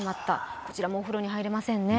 こちらもお風呂に入れませんね。